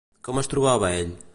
Com es trobava ell?